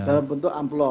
dalam bentuk amplop